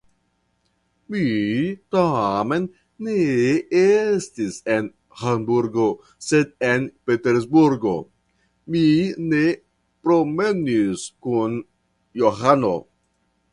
Mi tamen ne estis en Hamburgo, sed en Patersburgo; mi ne promenis kun Johano.